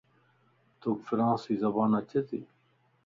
توک فرانسي زبان اچي تي؟